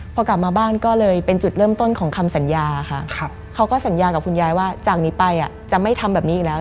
พอกลับมาบ้านก็เลยเป็นจุดเริ่มต้นของคำสัญญาค่ะเขาก็สัญญากับคุณยายว่าจากนี้ไปจะไม่ทำแบบนี้อีกแล้ว